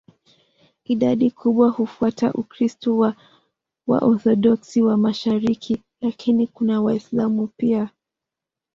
Idadi kubwa hufuata Ukristo wa Waorthodoksi wa mashariki, lakini kuna Waislamu pia.